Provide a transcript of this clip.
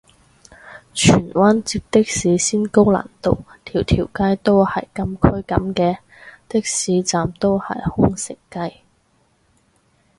荃灣截的士先高難度，條條街都係禁區噉嘅？的士站都係空城計